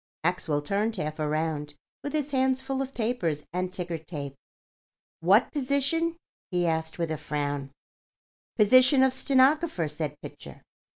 Maxwell turned half around, with his hands full of papers and ticker tape. "What position?" he asked, with a frown. "Position of stenographer," said Pitcher.